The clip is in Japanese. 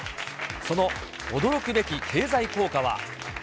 その驚くべき経済効果は。